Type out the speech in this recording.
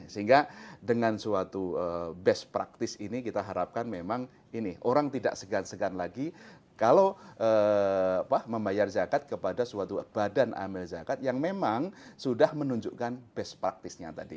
sehingga dengan suatu best practice ini kita harapkan memang ini orang tidak segan segan lagi kalau membayar zakat kepada suatu badan amil zakat yang memang sudah menunjukkan best practice nya tadi